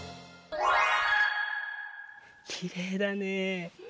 きれいだね。